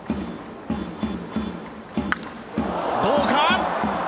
どうか！